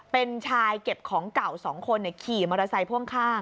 เป็นชายเก็บของเก่า๒คนขี่มอเตอร์ไซค์พ่วงข้าง